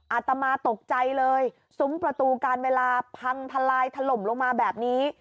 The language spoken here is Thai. อาตมาตกใจเลยซุ้มประตูการเวลาพังทลายถล่มลงมาแบบนี้